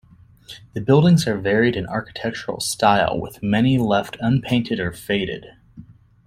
The buildings are varied in architectural style with many left unpainted or faded.